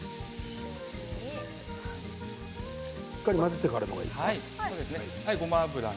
しっかり混ぜてからの方がいいですか？